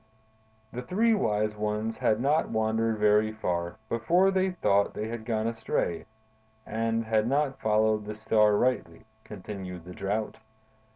"The three wise ones had not wandered very far before they thought they had gone astray and had not followed the Star rightly," continued the Drought.